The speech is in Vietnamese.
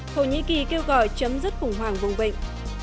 thổ nhĩ kỳ kêu gọi chấm dứt khủng hoảng vùng vịnh